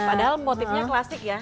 padahal motifnya klasik ya